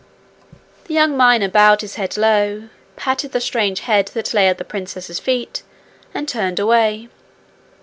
The young miner bowed his head low, patted the strange head that lay at the princess's feet, and turned away.